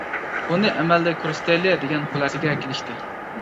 بۇنى ئەمەلدە كۆرسىتەيلى دېگەن خۇلاسىگە كېلىشتى.